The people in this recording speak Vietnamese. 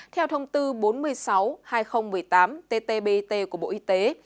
theo thông tư bốn mươi sáu hai nghìn một mươi tám ttbt của bộ y tế